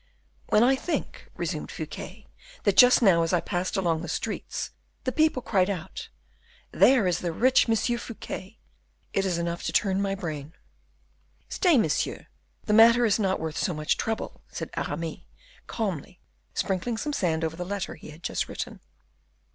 _" "When I think," resumed Fouquet, "that just now as I passed along the streets, the people cried out, 'There is the rich Monsieur Fouquet,' it is enough to turn my brain." "Stay, monsieur, the matter is not worth so much trouble," said Aramis, calmly, sprinkling some sand over the letter he had just written.